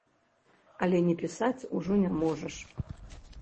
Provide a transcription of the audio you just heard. Але не пісаць ужо не можаш.